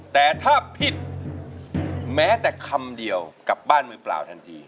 แต่ถ้าผิดแม้แต่คำเดียวกลับบ้านมือเปล่าทันที